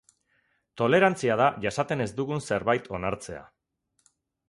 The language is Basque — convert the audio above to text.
Tolerantzia da jasaten ez duzun zerbait onartzea.